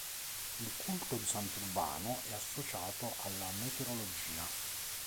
Il culto di sant'Urbano è associato alla meteorologia.